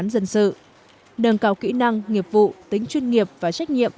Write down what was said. tổ chức thi hành án dân sự nâng cao kỹ năng nghiệp vụ tính chuyên nghiệp và trách nhiệm